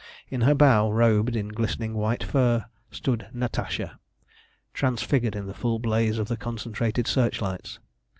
In her bow, robed in glistening white fur, stood Natasha, transfigured in the full blaze of the concentrated searchlights.